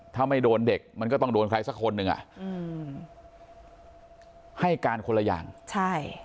ถ้าไม่โดนเด็กมันก็ต้องโดนใครสักคนหนึ่งอ่ะอืมให้การคนละอย่างใช่